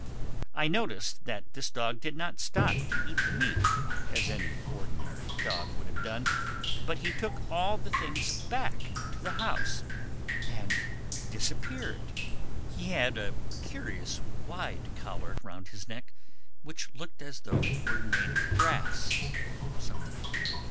I noticed that this dog did not stop to eat the meat, as any ordinary dog would have done, but he took all the things back to the house and disappeared. He had a curious wide collar round his neck which looked as though it were made of brass or something.